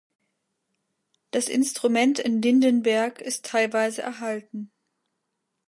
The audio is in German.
Das Instrument in Lindenberg ist teilweise erhalten.